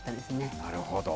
なるほど。